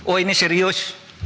oh ini serius